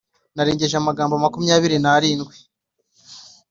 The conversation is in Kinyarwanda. Narengeje amagambo makumyabiri narindwi